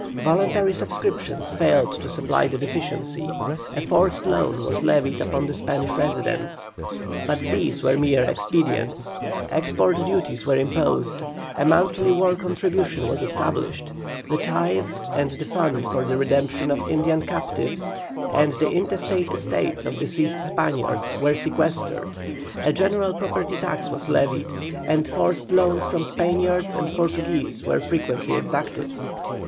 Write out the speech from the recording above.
Voluntary subscriptions failed to supply the deficiency; a forced loan was levied upon the Spanish residents. But these were mere expedients. Export duties were imposed, a monthly war contribution was established, the tithes and the fund for the redemption of Indian captives, and the intestate estates of deceased Spaniards, were sequestered; a general property tax was levied, and forced loans from Spaniards and Portuguese were frequently exacted.